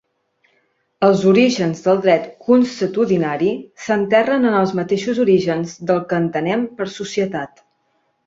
Els orígens del dret consuetudinari s'enterren en els mateixos orígens del que entenem per societat.